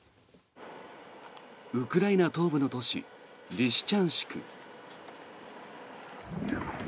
ウクライナ東部の都市リシチャンシク。